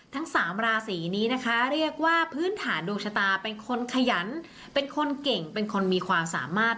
ทั้งสามราศีนี้นะคะเรียกว่าพื้นฐานดวงชะตาเป็นคนขยันเป็นคนเก่งเป็นคนมีความสามารถ